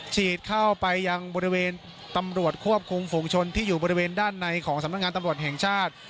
ฉีดเข้าไปยังบริเวณตำรวจควบคุมฝุงชนที่อยู่บริเวณด้านในของสำนักงานตำรวจแห่งชาติ